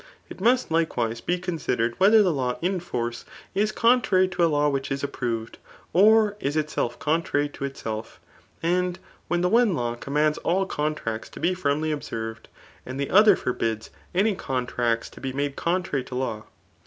It must likewise be considered whether the law [in force] is contrary to a law which is approved^ or is itself contrary to itself ; as when the one law com« mands all contracts to be firmly observed; and the other forbids any contracts to be made contrary to law.